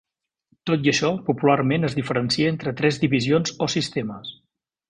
Tot i això popularment es diferencia entre tres divisions o sistemes.